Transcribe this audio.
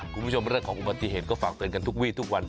คุณผู้ชมเรื่องของอุบัติเหตุก็ฝากเตือนกันทุกวีทุกวัน